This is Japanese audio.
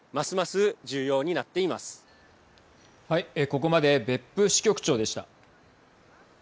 ここまで別府支局長でした。